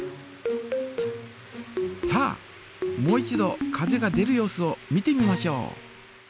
さあもう一度風が出る様子を見てみましょう。